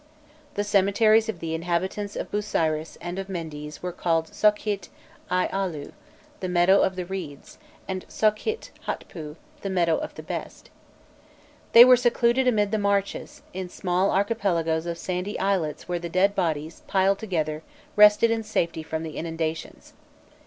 The cemeteries of the inhabitants of Busiris and of Mendes were called Sokhît Ialû, the Meadow of Reeds, and Sokhît Hotpû, the Meadow of Best. They were secluded amid the marshes, in small archipelagoes of sandy islets where the dead bodies, piled together, rested in safety from the inundations.